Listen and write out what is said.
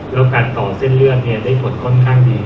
แล้วการต่อเส้นเลือดได้ผลค่อนข้างดี